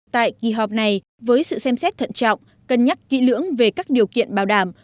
tại kỳ họp này với sự xem xét thận trọng cân nhắc kỹ lưỡng về các điều kiện bảo đảm